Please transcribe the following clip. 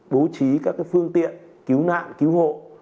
bố trí các phương tiện cứu nạn cứu hộ